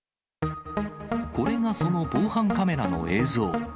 これがその防犯カメラの映像。